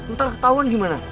ntar ketauan gimana